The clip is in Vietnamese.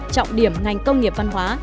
trọng điểm ngành công nghiệp văn hóa